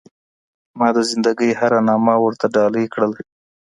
ما د زنده ګۍ هره نامـــه ورتـــه ډالۍ كړله